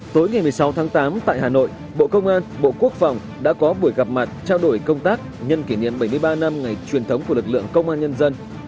tối ngày một mươi sáu tháng tám tại hà nội bộ công an bộ quốc phòng đã có buổi gặp mặt trao đổi công tác nhân kỷ niệm bảy mươi ba năm ngày truyền thống của lực lượng công an nhân dân